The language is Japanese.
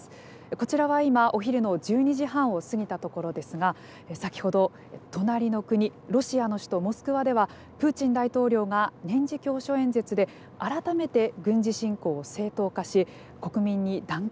こちらは今お昼の１２時半を過ぎたところですが先ほど隣の国ロシアの首都モスクワではプーチン大統領が年次教書演説で改めて軍事侵攻を正当化し国民に団結を求めました。